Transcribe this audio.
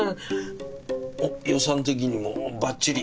おっ予算的にもばっちり。